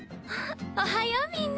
おはようみんな。